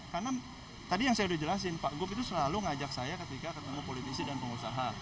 karena tadi yang saya sudah jelasin pak gup itu selalu mengajak saya ketika ketemu politisi dan pengusaha